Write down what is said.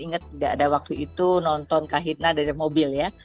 ingat tidak ada waktu itu nonton kahitnya ada mobil ya